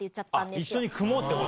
一緒に組もうってこと？